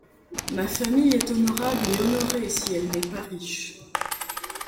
Ma famille est honorable et honorée, si elle n’est pas riche.